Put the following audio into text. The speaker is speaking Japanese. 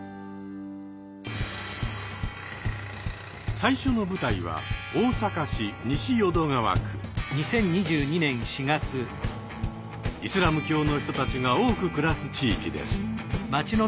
最初の舞台はイスラム教の人たちが多く暮らす地域です。